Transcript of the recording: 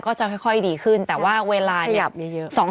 ก็จะค่อยค่อยดีขึ้นแต่ว่าเวลาเชิดยาบเยอะเยอะสอง